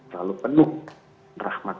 selalu penuh rahmat